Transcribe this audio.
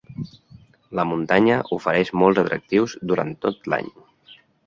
La muntanya ofereix molts atractius durant tot l'any.